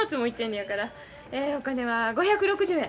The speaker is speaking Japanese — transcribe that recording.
えお金は５６０円。